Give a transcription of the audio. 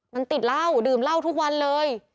มันติดเหล้าดื่มเหล้าทุกวันเลย